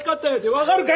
わかるか！？